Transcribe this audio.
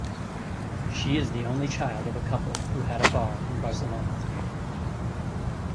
She is the only child of a couple who had a bar in Barcelona.